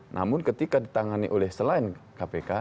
namun ketika ditangani oleh selain kpk